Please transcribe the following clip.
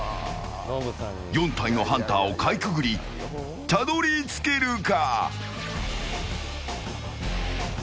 ４体のハンターをかいくぐりたどり着けるか？